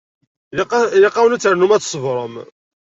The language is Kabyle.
Ilaq-awen ad ternum ad tṣebrem.